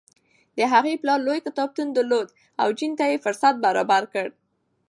د هغې پلار لوی کتابتون درلود او جین ته یې فرصت برابر کړ.